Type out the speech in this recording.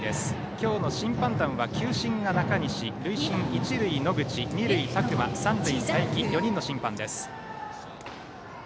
今日の審判団は球審が中西塁審、一塁、野口二塁、宅間三塁、佐伯４人の審判です。